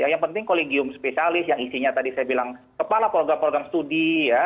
yang penting kolegium spesialis yang isinya tadi saya bilang kepala program program studi ya